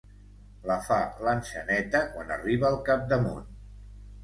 La fa l'anxeneta quan arriba al capdamunt.